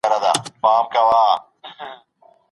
پيغمبر ص به د مظلوم حق اخیست.